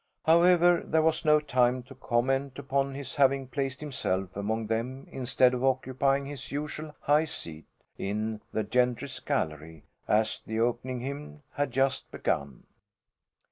However, there was no time to comment upon his having placed himself among them instead of occupying his usual high seat, in the gentry's gallery as the opening hymn had just begun.